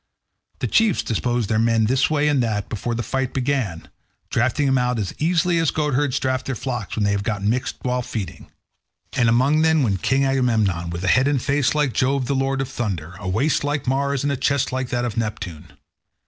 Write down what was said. The chiefs disposed their men this way and that before the fight began, drafting them out as easily as goatherds draft their flocks when they have got mixed while feeding; and among them went King Agamemnon, with a head and face like Jove the lord of thunder, a waist like Mars, and a chest like that of Neptune.